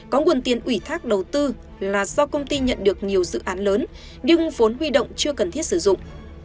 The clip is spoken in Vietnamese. có nguồn tiền ủy thác đầu tư là do công ty nhận được nhiều dự án lớn nhưng vốn huy động chưa cần thiết sử dụng